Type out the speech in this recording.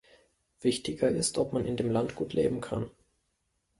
Wichtiger ist, ob man in dem Land gut leben kann.